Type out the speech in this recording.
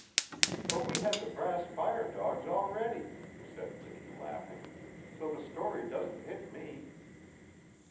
'" "But we had the brass fire dogs already," said Liddy laughing, "so the story doesn't hit me."